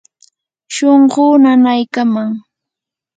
shunquu nanaykaman.